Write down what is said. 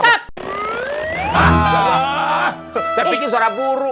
saya pikir suara burung